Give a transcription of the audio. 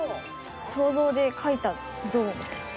想像で描いた象。